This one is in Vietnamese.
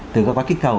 từ các cái cây cầu